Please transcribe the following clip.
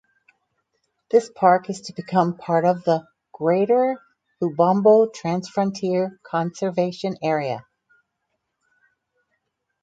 This park is to become part of the: Greater Lubombo Transfrontier Conservation Area.